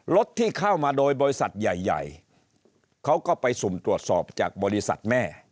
รถที่เข้ามาโดยบริษัทใหญ่เขาก็ไปสุ่มตรวจสอบจากบริษัทแม่